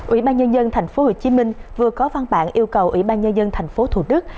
ủy ban nhân dân tp hcm vừa có văn bản yêu cầu ủy ban nhân dân tp thủ đức